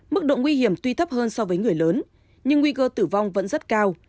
mức độ nguy hiểm tuy thấp hơn so với người lớn nhưng nguy cơ tử vong vẫn rất cao